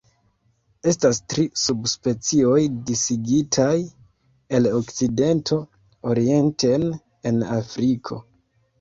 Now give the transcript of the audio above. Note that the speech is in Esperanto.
Estas tri subspecioj disigitaj el okcidento orienten en Afriko.